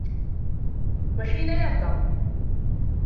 وَحِينَ يَغْضَبُ